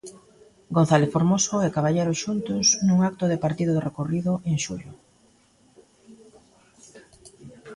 González Formoso e Caballero, xuntos, nun acto de partido decorrido en xullo.